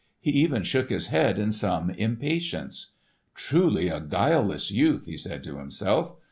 He even shook his head in some impatience. "Truly a guileless youth," he said to himself.